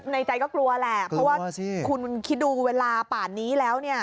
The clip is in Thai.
ในใจก็กลัวแหละเพราะว่าคุณคิดดูเวลาป่านนี้แล้วเนี่ย